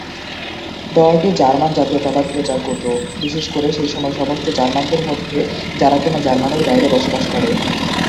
দলটি জার্মান জাতীয়তাবাদ প্রচার করতো, বিশেষ করে সেই সমস্ত জার্মানদের মধ্যে যারা কিনা জার্মানির বাইরে বসবাস করে।